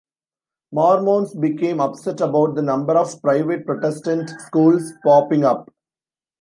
Mormons became upset about the number of private Protestant schools popping up.